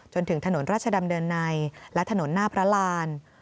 จนถึงถนนราชดำเนินในและถนนหน้าพระราน